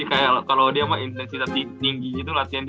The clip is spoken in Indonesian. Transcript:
kayak kalo dia sama intensitas tinggi gitu latihan dia